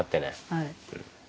はい。